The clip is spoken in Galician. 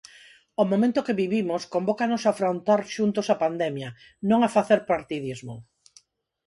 O momento que vivimos convócanos a afrontar xuntos a pandemia, non a facer partidismo.